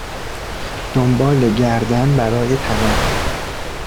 دنبال گردن برای طناب